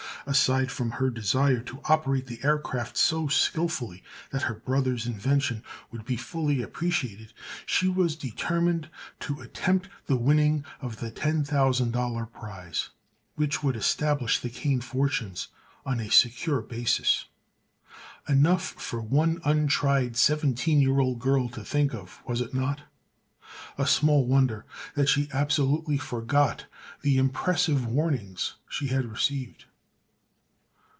Aside from her desire to operate the aircraft so skillfully that her brother's invention would be fully appreciated she was determined to attempt the winning of the ten thousand dollar prize, which would establish the Kane fortunes on a secure basis. Enough for one untried, seventeen year old girl to think of, was it not? And small wonder that she absolutely forgot the impressive warnings she had received.